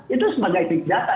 itu sebagai data